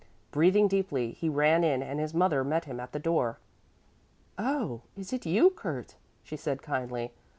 Breathing deeply, he ran in and his mother met him at the door. "Oh, is it you, Kurt?" she said kindly.